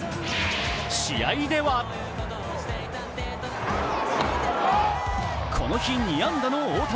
試合では、この日２安打の大谷。